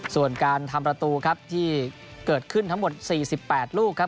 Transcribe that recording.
ส่วนการทำประตูครับที่เกิดขึ้นทั้งหมด๔๘ลูกครับ